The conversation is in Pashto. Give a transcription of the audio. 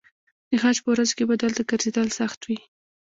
د حج په ورځو کې به دلته ګرځېدل سخت وي.